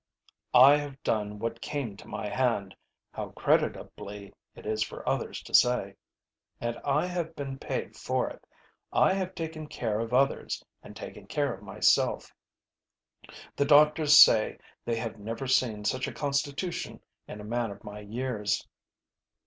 "I have done what came to my hand how creditably it is for others to say. And I have been paid for it. I have taken care of others and taken care of myself. The doctors say they have never seen such a constitution in a man of my years.